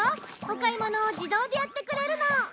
お買い物を自動でやってくれるの。